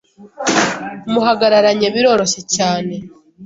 muhagararanye biroroshye cyane